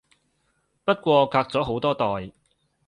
不過隔咗好多代